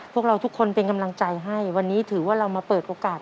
พวกเราทุกคนเป็นกำลังใจให้วันนี้ถือว่าเรามาเปิดโอกาส